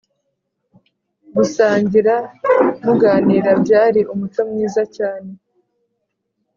gusangira muganira byari umuco mwiza cyane